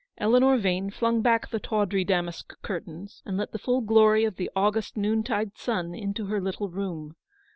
Eleanor Vane flung back the tawdry damask curtains, and let the full glory of the August noontide sun into her little room.